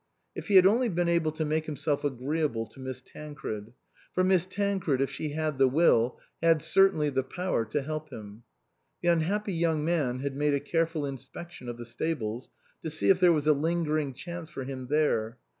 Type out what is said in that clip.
If he had only been able to make himself agreeable to Miss Tancred for Miss Tancred, if she had the will, had certainly the power to help him. The unhappy young man had made a care ful inspection of the stables, to see if there was a lingering chance for him there.